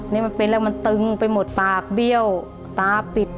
นี่มันเป็นแล้วมันตึงไปหมดปากเบี้ยวตาปิด